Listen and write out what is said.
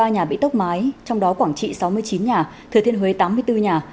một trăm năm mươi ba nhà bị tốc mái trong đó quảng trị sáu mươi chín nhà thừa thiên huế tám mươi bốn nhà